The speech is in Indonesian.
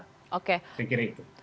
saya kira itu